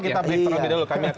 kita pikir lebih dulu